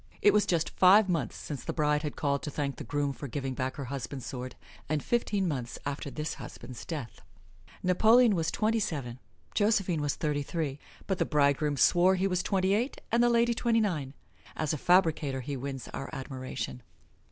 It was just five months since the bride had called to thank the groom for giving back her husband's sword, and fifteen months after this husband's death. Napoleon was twenty seven; Josephine was thirty three, but the bridegroom swore he was twenty eight and the lady twenty nine. As a fabricator he wins our admiration.